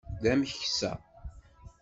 D ameksa.